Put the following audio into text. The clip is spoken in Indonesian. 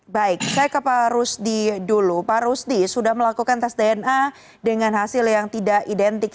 baik saya ke pak rusdi dulu pak rusdi sudah melakukan tes dna dengan hasil yang tidak identik